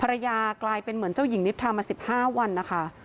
กลายเป็นเหมือนเจ้าหญิงนิทรามา๑๕วันนะคะ